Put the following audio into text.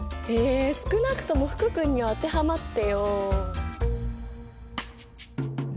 え少なくとも福君には当てはまってよ。